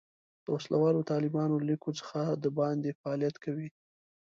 د وسله والو طالبانو له لیکو څخه د باندې فعالیت کوي.